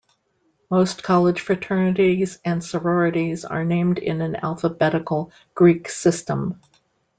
Most college fraternities and sororities are named in an alphabetical Greek system.